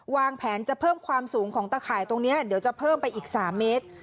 วางแผนจะเพิ่มความสูงของตะข่ายตรงนี้เดี๋ยวจะเพิ่มไปอีก๓เมตร